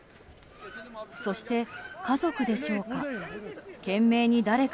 そして、家族でしょうか。